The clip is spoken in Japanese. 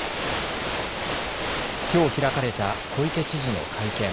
きょう開かれた小池知事の会見。